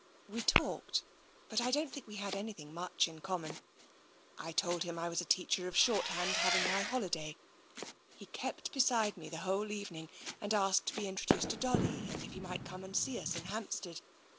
We talked, but I don't think we had anything much in common. I told him I was a teacher of short hand, having my holiday. He kept beside me the whole evening and asked to be introduced to Dolly and if he might come and see us in Hampstead.